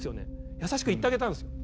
優しく言ってあげたんですよ。